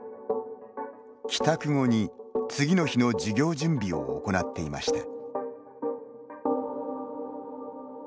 帰宅後に次の日の授業準備を行っていました。